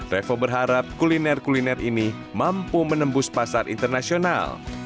revo berharap kuliner kuliner ini mampu menembus pasar internasional